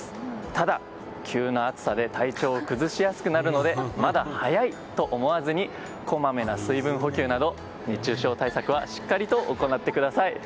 ただ、急な暑さで体調を崩しやすくなるのでまだ早いと思わずにこまめな水分補給など熱中症対策はしっかりと行ってください。